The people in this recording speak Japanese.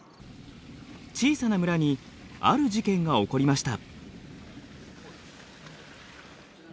小さな村にある事件が起こりました。